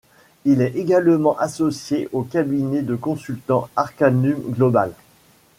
Il est également associé au cabinet de consultants Arcanum Global.